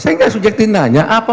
saya tidak subjektif nanya apa